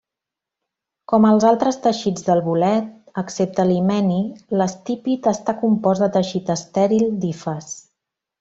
Com els altres teixits del bolet, excepte l'himeni, l'estípit està compost de teixit estèril d'hifes.